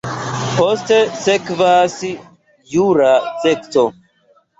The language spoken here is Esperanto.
Poste sekvas jura sekco.